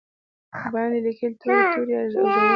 باندې لیکې توري، توري او ږغونه